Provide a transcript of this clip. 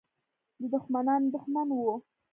د دښمنانو دښمن وو.